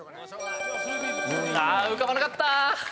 ああ浮かばなかった。